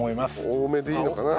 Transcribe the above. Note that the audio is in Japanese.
多めでいいのかな？